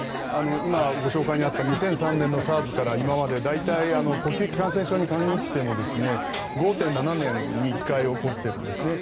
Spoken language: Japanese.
今、ご紹介にあった２００３年のＳＡＲＳから大体、呼吸器感染症に限っても５．７年に１回起こっているんですね。